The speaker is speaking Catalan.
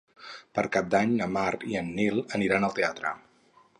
Per Cap d'Any na Mar i en Nil aniran al teatre.